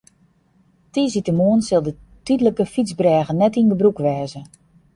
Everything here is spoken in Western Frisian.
Tiisdeitemoarn sil de tydlike fytsbrêge net yn gebrûk wêze.